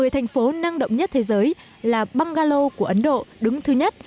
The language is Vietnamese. một mươi thành phố năng động nhất thế giới là bangalore của ấn độ đứng thứ nhất